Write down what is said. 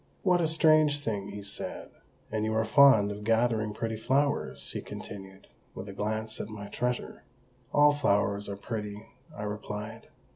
"What a strange thing!" he said. "And you are fond of gathering pretty flowers?" he continued, with a glance at my treasure. "All flowers are pretty," I replied.